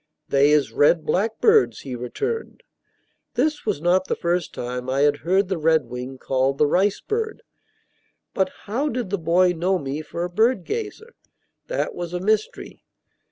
"They is red blackbirds," he returned. This was not the first time I had heard the redwing called the ricebird. But how did the boy know me for a bird gazer? That was a mystery.